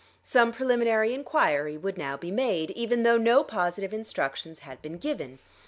Some preliminary enquiry would now be made, even though no positive instructions had been given.